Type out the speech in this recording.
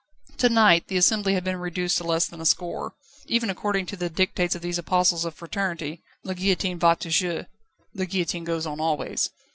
To night the assembly had been reduced to less than a score. Even according to the dictates of these apostles of Fraternity: "la guillotine va toujours" the guillotine goes on always.